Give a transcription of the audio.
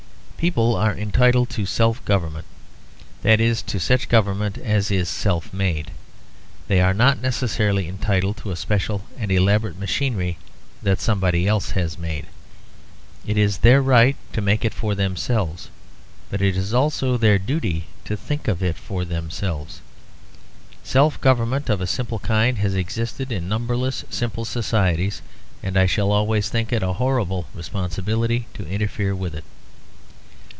People are entitled to self government; that is, to such government as is self made. They are not necessarily entitled to a special and elaborate machinery that somebody else has made. It is their right to make it for themselves, but it is also their duty to think of it for themselves. Self government of a simple kind has existed in numberless simple societies, and I shall always think it a horrible responsibility to interfere with it.